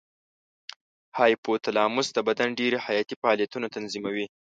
هایپو تلاموس د بدن ډېری حیاتي فعالیتونه تنظیموي.